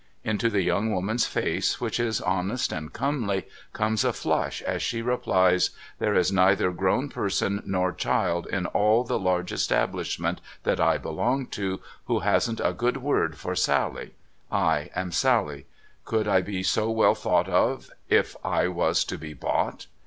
Into the young woman's face, which is honest and comely, comes a flush as she replies :' There is neither grown person nor child in all tlie large establishment that I belong to, who hasn't a good word for Sally. I am Sally. Could I be so well thought of, if I was to be bought